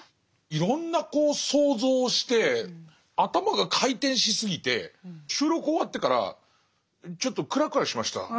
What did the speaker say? いろんなこう想像をして頭が回転しすぎて収録終わってからちょっとクラクラしました。